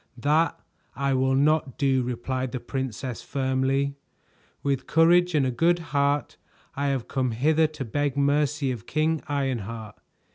"That I will not do," replied the princess firmly. "With courage and a good heart, I have come hither to beg mercy of King Ironheart.